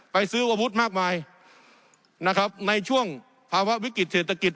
ซื้ออาวุธมากมายนะครับในช่วงภาวะวิกฤติเศรษฐกิจ